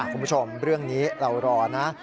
คุณผู้ชมเรื่องนี้เรารอนะ